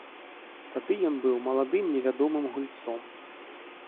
Тады ён быў маладым невядомым гульцом.